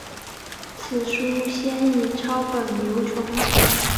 此书先以抄本流传。